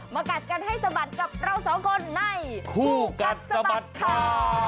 มากัดกันให้สบัติกับเราสองคนในคู่กัดสบัติค่า